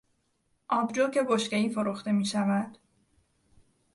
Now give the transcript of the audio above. آبجو که بشکهای فروخته میشود.